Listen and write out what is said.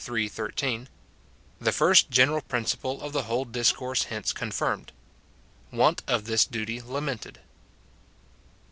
13 — The first gen eral principle of the whole discourse hence confirmed — Want of this duty lamented.